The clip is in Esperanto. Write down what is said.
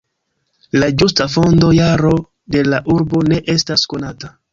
La ĝusta fondo-jaro de la urbo ne estas konata.